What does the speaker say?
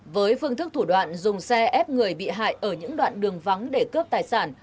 với phương thức thủ đoạn dùng xe ép người bị hại ở những đoạn đường vắng để cướp tài sản